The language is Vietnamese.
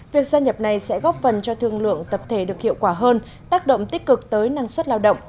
việc gia nhập này sẽ góp phần cho thương lượng tập thể được hiệu quả hơn tác động tích cực tới năng suất lao động